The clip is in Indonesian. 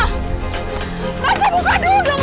rejah buka dulu dong